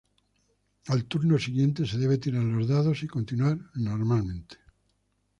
Al turno siguiente se debe tirar los dados y continuar normalmente.